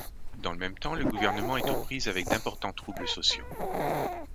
Dans le même temps le gouvernement est aux prises avec d'importants troubles sociaux.